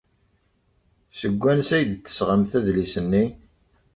Seg wansi ay d-tesɣamt adlis-nni?